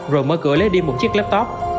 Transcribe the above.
rồi mở cửa lấy đi một chiếc laptop